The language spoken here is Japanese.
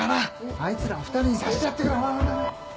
あいつらを２人にさせてやってくれほらほらほら。